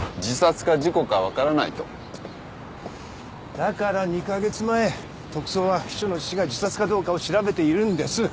だから２カ月前特捜は秘書の死が自殺かどうかを調べているんです。